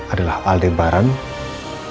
adalah aldebaran dan roy